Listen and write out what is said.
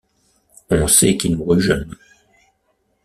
On sait qu'il mourut jeune.